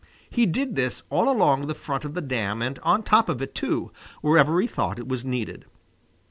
He did this all along the front of the dam and on top of it too, wherever he thought it was needed.